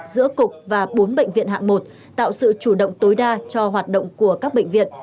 giữa cục và bốn bệnh viện hạng một tạo sự chủ động tối đa cho hoạt động của các bệnh viện